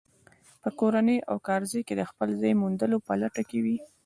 په کورنۍ او کارځای کې د خپل ځای موندلو په لټه کې وي.